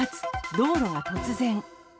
道路が突然。